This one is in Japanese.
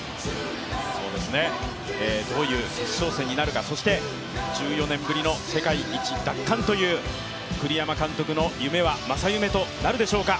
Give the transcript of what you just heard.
どういう決勝戦になるかそして１４年ぶりの世界一奪還という栗山監督の夢は正夢となるでしょうか。